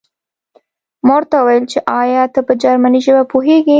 ما ورته وویل چې ایا ته په جرمني ژبه پوهېږې